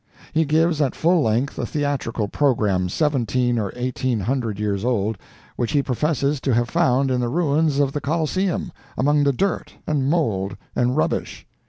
He gives at full length a theatrical program seventeen or eighteen hundred years old, which he professes to have found in the ruins of the Coliseum, among the dirt and mold and rubbish.